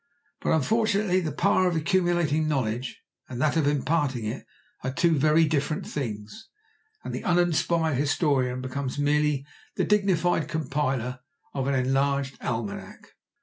But unfortunately the power of accumulating knowledge and that of imparting it are two very different things, and the uninspired historian becomes merely the dignified compiler of an enlarged almanac.